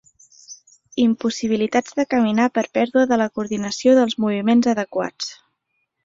Impossibilitats de caminar per pèrdua de la coordinació dels moviments adequats.